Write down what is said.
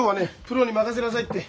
プロに任せなさいって。